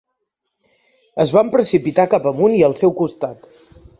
Es van precipitar cap amunt i al seu costat.